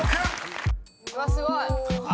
うわっすごい。